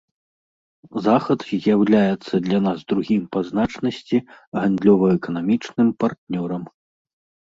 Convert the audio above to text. Захад з'яўляецца для нас другім па значнасці гандлёва-эканамічным партнёрам.